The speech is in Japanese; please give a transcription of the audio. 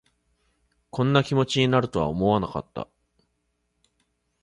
こんな気持ちになるとは思わなかった